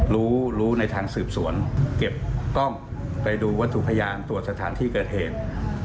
รู้รู้ในทางสืบสวนเก็บกล้องไปดูวัตถุพยานตรวจสถานที่เกิดเหตุ